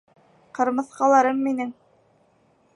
Ҡырмыҫҡаларым минең